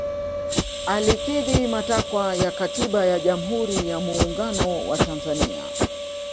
alikidhi matakwa ya katiba ya jamuhuri ya muungano wa tanzania